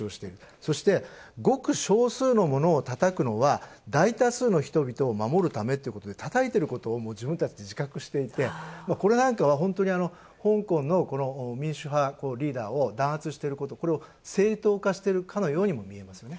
そして、ごく少数のものをたたくのは大多数の人々を守るためということをたたいていることを自覚していて、これなんかは香港の民主派リーダーを弾圧してること、これを正当化しているかのように見えますね。